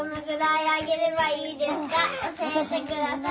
教えてください。